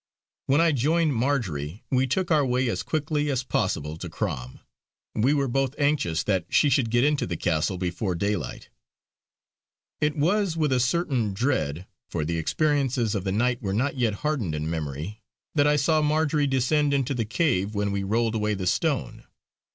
When I joined Marjory, we took our way as quickly as possible to Crom; we were both anxious that she should get into the castle before daylight. It was with a certain dread, for the experiences of the night were not yet hardened in memory, that I saw Marjory descend into the cave when we rolled away the stone.